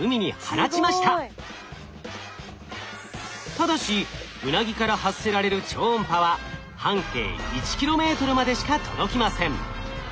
ただしウナギから発せられる超音波は半径１ｋｍまでしか届きません。